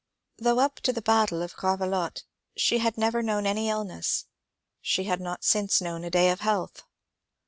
Though up to the battle of Grave lotte she had never known any illness, she had since not known a day of health.